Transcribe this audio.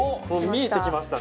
見えてきましたね！